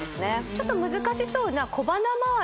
ちょっと難しそうな小鼻周り